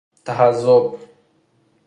تحزب